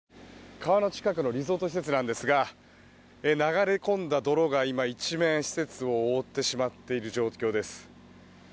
川の近くのリゾート施設なんですが流れ込んだ泥が今、一面、施設を覆ってしまっている状況です。